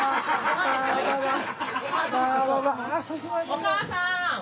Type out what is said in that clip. お母さん。